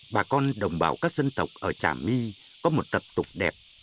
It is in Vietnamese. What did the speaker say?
bà con đồng bào các dân tộc ở trà my có một tập tục đẹp